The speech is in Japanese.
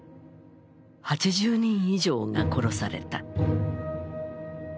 ８０人以上が殺された。